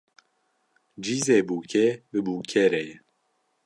Cîzê bûkê bi bûkê re ye